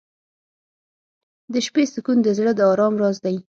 • د شپې سکون د زړه د ارام راز دی.